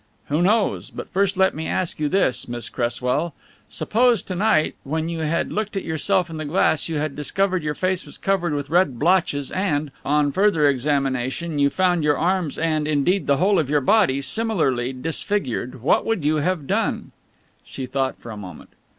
"Who knows? But first let me ask you this, Miss Cresswell. Suppose to night when you had looked at yourself in the glass you had discovered your face was covered with red blotches and, on further examination, you found your arms and, indeed, the whole of your body similarly disfigured, what would you have done?" She thought for a moment.